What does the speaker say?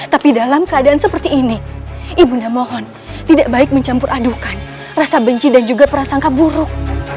tapi dalam keadaan seperti ini ibu nda mohon tidak baik mencampur adukan rasa benci dan juga perasaan keburuk